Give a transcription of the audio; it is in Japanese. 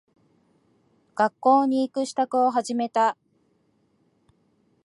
学校に行く支度を始めた。